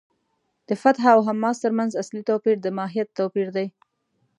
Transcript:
د فتح او حماس تر منځ اصلي توپیر د ماهیت توپیر دی.